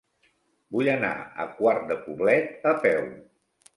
Vull anar a Quart de Poblet a peu.